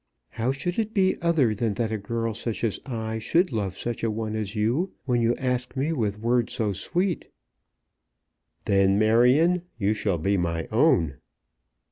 How should it be other than that a girl such as I should love such a one as you when you ask me with words so sweet!" "Then, Marion, you shall be my own."